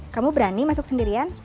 kamu berani masuk sendirian